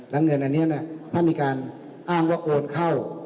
แล้วเงินอันนี้ถ้ามีการอ้างว่าโอนเข้า